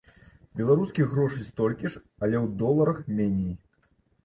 Беларускіх грошай столькі ж, але у доларах меней.